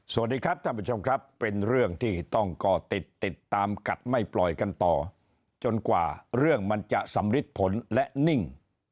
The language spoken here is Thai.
สวัสดีครับท่านผู้ชมครับเป็นเรื่องที่ต้องก่อติดติดตามกัดไม่ปล่อยกันต่อจนกว่าเรื่องมันจะสำริดผลและนิ่ง